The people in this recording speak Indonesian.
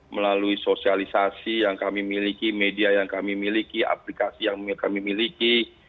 melalui sosialisasi yang kami miliki media yang kami miliki aplikasi yang kami miliki